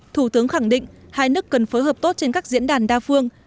thủ tướng khẳng định hai nước cần phối hợp tốt trên các diễn đàn đa phương